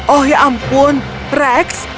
oh ya ampun rex